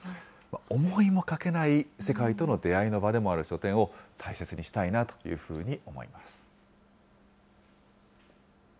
思いもかけない世界との出会いの場でもある書店を大切にしたいなというふうに思います。